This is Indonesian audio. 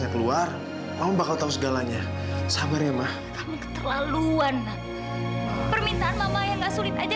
kalau begitu saya permisi